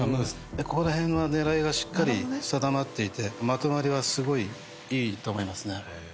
ここのへんは狙いがしっかり定まっていてまとまりはすごい良いと思いますね